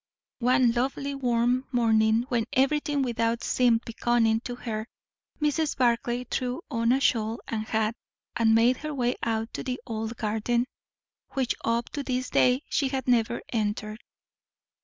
One lovely warm morning, when everything without seemed beckoning to her, Mrs. Barclay threw on a shawl and hat, and made her way out to the old garden, which up to this day she had never entered.